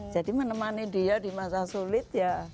jadi menemani dia di masa sulit ya